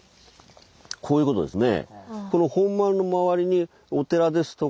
こういうことですね。